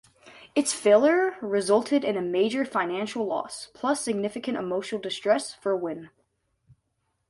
Its failure resulted in a major financial loss, plus significant emotional distress, for Wynn.